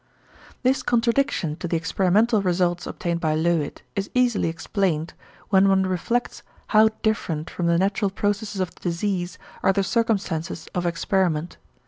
This contradiction to the experimental results obtained by Löwit is easily explained when one reflects how different from the natural processes of disease are the circumstances of experiment.